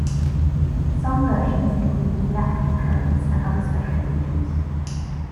Some versions included theatrical trailers and other special features.